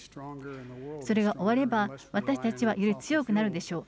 それが終われば、私たちはより強くなるでしょう。